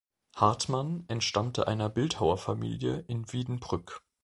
Hartmann entstammte einer Bildhauerfamilie in Wiedenbrück.